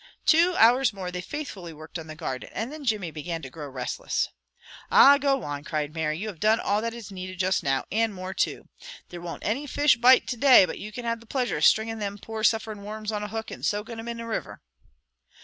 Two hours more they faithfully worked on the garden, and then Jimmy began to grow restless. "Ah, go on!" cried Mary. "You have done all that is needed just now, and more too. There won't any fish bite to day, but you can have the pleasure of stringin' thim poor sufferin' worms on a hook and soaking thim in the river."